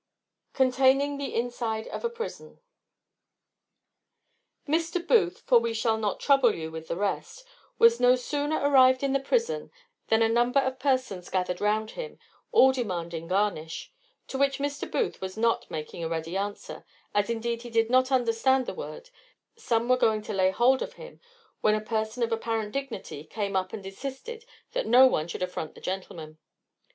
Containing the inside of a prison. Mr. Booth (for we shall not trouble you with the rest) was no sooner arrived in the prison than a number of persons gathered round him, all demanding garnish; to which Mr. Booth not making a ready answer, as indeed he did not understand the word, some were going to lay hold of him, when a person of apparent dignity came up and insisted that no one should affront the gentleman.